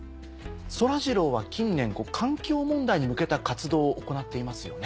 そらジローは近年環境問題に向けた活動を行っていますよね？